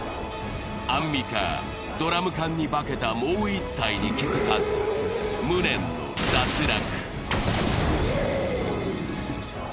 アンミカ、ドラム缶に化けたもう１体に気づかず、無念の脱落。